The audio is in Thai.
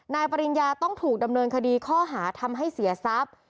ปริญญาต้องถูกดำเนินคดีข้อหาทำให้เสียทรัพย์